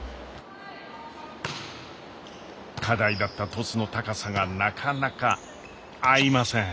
課題だったトスの高さがなかなか合いません。